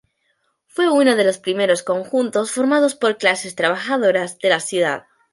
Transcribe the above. Fue uno de los primeros conjuntos formados por clases trabajadoras de la ciudad.